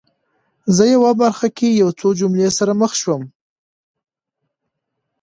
زه یوې برخه کې یو څو جملو سره مخ شوم